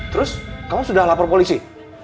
terus kamu sudah lapor polisi